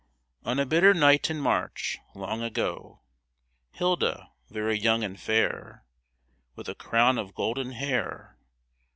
On a bitter night in March, Long ago, Hilda, very young and fair. With a crown of golden hair.